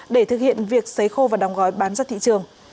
để thực hiện việc xấy khô và đóng gói bán ra thị trường